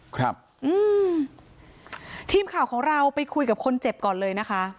ครับอืมทีมข่าวของเราไปคุยกับคนเจ็บก่อนเลยนะคะ